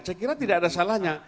saya kira tidak ada salahnya